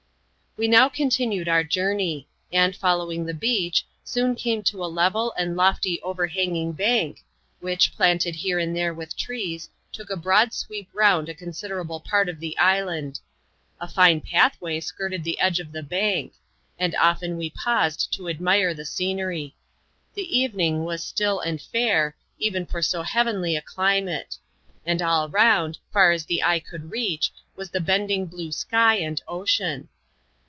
' We now continued onr journey ; and following the beach, soon came to a level and lofty overhanging bank, which, planted here and there with trees, took a broad sweep round a consider able part of the island. A fine pathway skirted the edge of the bank ; and often we paused to admire the scenery. The evening was stiU and fair, even for so heavenly a climate ; and all round, far as the eye could reach, was the blending blue sky and ocean.